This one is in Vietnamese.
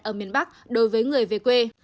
ở miền bắc đối với người về quê